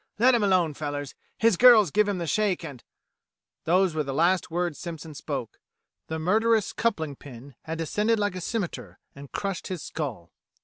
"Let him alone, fellers; his girl's give him the shake, and " Those were the last words Simpson spoke. The murderous coupling pin had descended like a scimitar and crushed his skull.